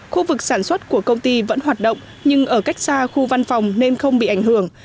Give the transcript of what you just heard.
khu vực sản xuất của công ty vẫn hoạt động nhưng ở cách xa khu văn phòng nên không bị ảnh hưởng